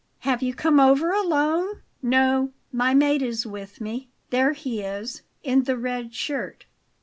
"Have you come over alone?" "No, my mate is with me; there he is, in the red shirt.